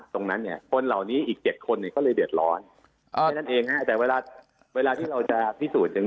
ตรงนั้นเนี้ยคนเหล่านี้อีกเจ็บคนเนี้ยก็เลยเด็ดแล้วอย่างงี้แต่เวลาที่เราจะพิสูจน์อย่าง